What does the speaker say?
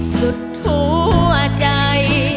สุดหัวใจ